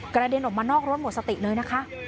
เด็นออกมานอกรถหมดสติเลยนะคะ